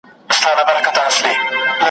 خدای وو ښکلی پیدا کړی سر تر نوکه `